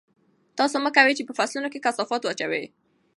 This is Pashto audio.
تاسو مه کوئ چې په فصلونو کې کثافات واچوئ.